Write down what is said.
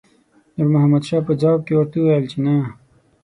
نور محمد شاه په ځواب کې ورته وویل چې نه.